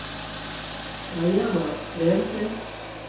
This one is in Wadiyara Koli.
ٻائيان مان پريم سي